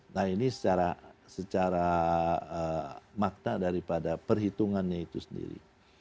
nah ini secara makna daripada perhitungannya itu sendiri